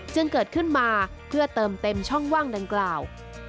จึงเกิดขึ้นมาเพื่อเติมเต็มช่องว่างดังกล่าว